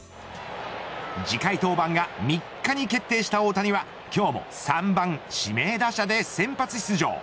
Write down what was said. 次回登板が３日に決定した大谷は、今日も３番指名打者で先発出場。